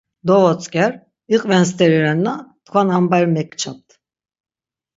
Dovotzk̆er, iqven steri renna tkvan ambari mekçapt.